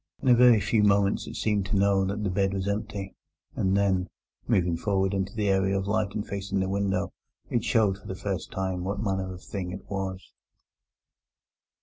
In a very few moments it seemed to know that the bed was empty, and then, moving forward into the area of light and facing the window, it showed for the first time what manner of thing it was.